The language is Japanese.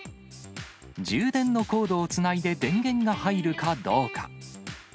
充電のコードをつないで電源が入るかどうか。